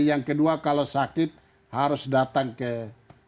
yang kedua kalau sakit harus datang ke rumah sakit